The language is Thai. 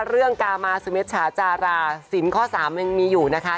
เรื่องกามาสมิชชาจาราสินข้อ๓มันยังมีอยู่นะคะ